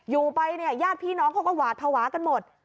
อยู่ไปเนี่ยญาติพี่น้องเขาก็หวาดภาวะกันหมด